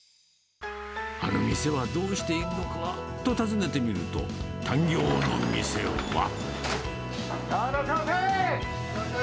あの店はどうしているのかと訪ねてみると、タンギョーの店は。